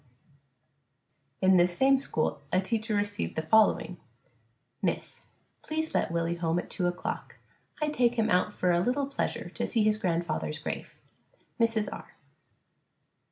W. In this same school a teacher received the following: _Miss _: Please let Willie home at 2 o'clock. I take him out for a little pleasure to see his grandfather's grave. MRS. R.